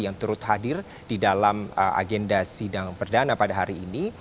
yang turut hadir di dalam agenda sidang perdana pada hari ini